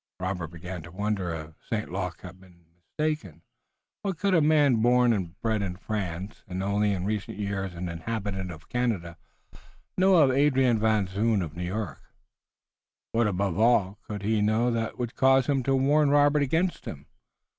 Robert began to wonder if St. Luc had net been mistaken. What could a man born and bred in France, and only in recent years an inhabitant of Canada, know of Adrian Van Zoon of New York? What, above all, could he know that would cause him to warn Robert against him?